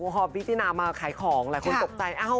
พอพี่ตินามาขายของหลายคนตกใจ